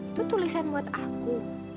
itu tulisan buat aku